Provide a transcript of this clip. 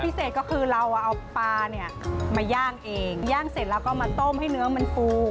พิเศษก็คือเราเอาปลาเนี่ยมาย่างเองย่างเสร็จแล้วก็มาต้มให้เนื้อมันปู